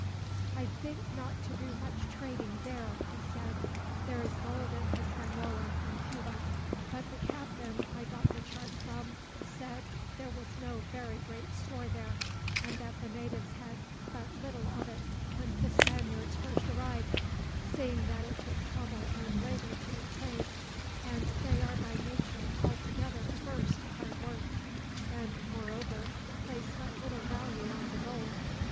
"I think not to do much trading there," he said. "There is gold in Hispaniola and Cuba; but the captain I got the chart from said there was no very great store there, and that the natives had but little of it when the Spaniards first arrived; seeing that it took trouble and labor to obtain, and they are by nature altogether averse to hard work, and moreover place but little value on the gold.